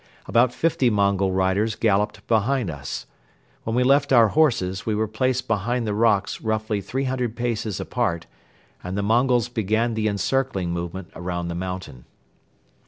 About fifty Mongol riders galloped behind us. When we left our horses, we were placed behind the rocks roughly three hundred paces apart and the Mongols began the encircling movement around the mountain.